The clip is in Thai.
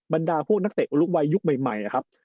บรรดาพวกนักเตะลูกวัยยุคใหม่นะครับ